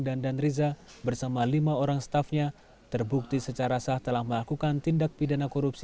dandan riza bersama lima orang staffnya terbukti secara sah telah melakukan tindak pidana korupsi